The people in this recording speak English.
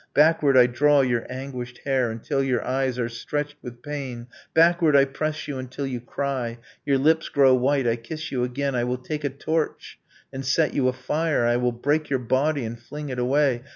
Backward I draw your anguished hair Until your eyes are stretched with pain; Backward I press you until you cry, Your lips grow white, I kiss you again, I will take a torch and set you afire, I will break your body and fling it away.